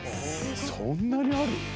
そんなにある？